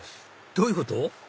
どういうこと？